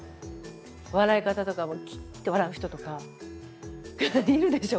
笑い方とかもキッて笑う人とかいるでしょ